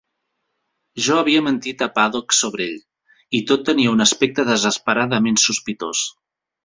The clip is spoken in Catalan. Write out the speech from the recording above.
Jo havia mentit a Paddock sobre ell, i tot tenia un aspecte desesperadament sospitós.